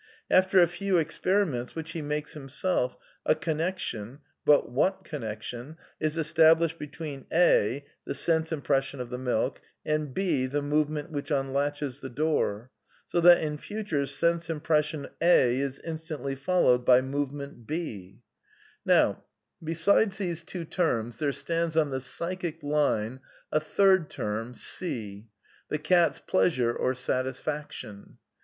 After a few experiments, which he makes himself, a connection (but what connection ?) is established between a', the sense impression of the milk, and h, the movement which unlatches the door; so that, in future, sense impres sion a^ is instantly followed by movement h. SOME QUESTIONS OF PSYCHOLOGY 101 ^NTow, besides these Jtwo tenns, there stands on the psychic line, a third term, cfy the cat's pleasure or satisfaction.